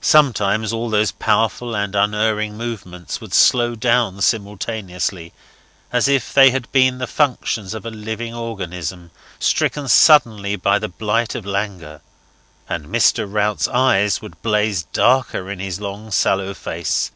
Sometimes all those powerful and unerring movements would slow down simultaneously, as if they had been the functions of a living organism, stricken suddenly by the blight of languor; and Mr. Rout's eyes would blaze darker in his long sallow face.